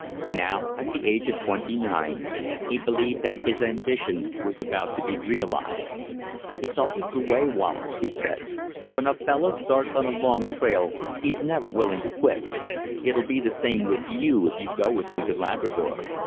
Now, at the age of twenty nine, he believed that his ambition was about to be realised. "It's always the way, Wallace," he said; "when a fellow starts on a long trail, he's never willing to quit. It'll be the same with you if you go with me to Labrador.